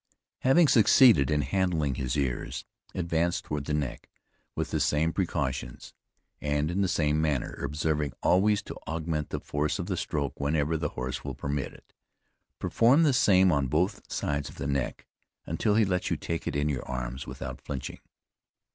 "Having succeeded in handling his ears, advance towards the neck, with the same precautions, and in the same manner; observing always to augment the force of the strokes whenever the horse will permit it. Perform the same on both sides of the neck, until he lets you take it in your arms without flinching.